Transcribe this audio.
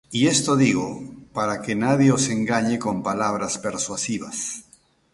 Y esto digo, para que nadie os engañe con palabras persuasivas.